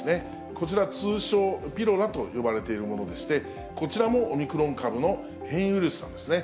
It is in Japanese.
こちら、通称、ピロラと呼ばれているものでして、こちらもオミクロン株の変異ウイルスなんですね。